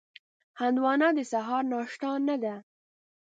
هندوانه د سهار ناشته نه ده.